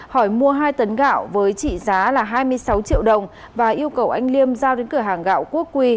hỏi mua hai tấn gạo với trị giá là hai mươi sáu triệu đồng và yêu cầu anh liêm giao đến cửa hàng gạo quốc quy